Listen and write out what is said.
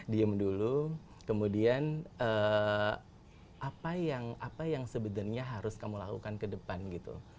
diam dulu kemudian apa yang apa yang sebenarnya harus kamu lakukan ke depan gitu